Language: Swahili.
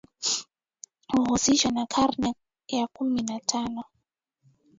huhusishwa na karne ya kumi na tano